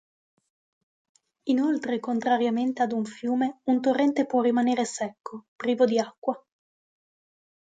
Inoltre, contrariamente ad un fiume, un torrente può rimanere secco, privo di acqua.